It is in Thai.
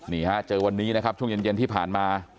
นี่ฮะเจอวันนี้นะครับช่วงเย็นที่ผ่านมา